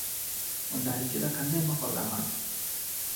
Mundarijada qanday maqollar mavjud.